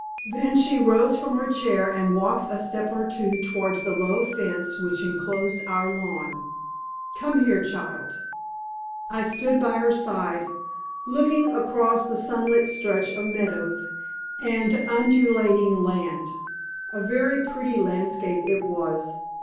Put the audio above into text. Then she rose from her chair, and walked a step or two towards the low fence which enclosed our lawn. "Come here, child." I stood by her side looking across the sunlit stretch of meadows and undulating land. A very pretty landscape it was.